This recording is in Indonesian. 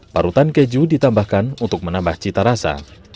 parutan keju ditambahkan untuk menambah cita rasa